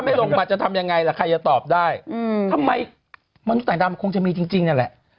ลงมาจะทำยังไงล่ะใครจะตอบได้ทำไมมนุษย์ต่างดาวมันคงจะมีจริงนั่นแหละ